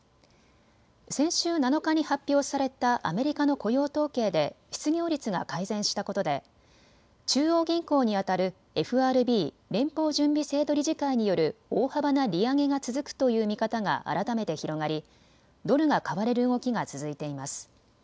先週７日に発表されたアメリカの雇用統計で失業率が改善したことで中央銀行にあたるＦＲＢ・連邦準備制度理事会による大幅な利上げが続くという見方が改めて広がりドルが買われる動きが続いています。